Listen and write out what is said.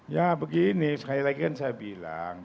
ya begini sekali lagi kan saya bilang